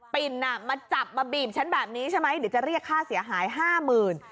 ปิ่นมาจับมาบีบฉันแบบนี้ใช่ไหมเดี๋ยวจะเรียกค่าเสียหาย๕๐๐๐บาท